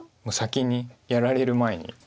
もう先にやられる前に。